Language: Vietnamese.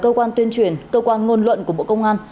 cơ quan tuyên truyền cơ quan ngôn luận của bộ công an